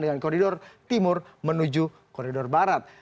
dengan koridor timur menuju koridor barat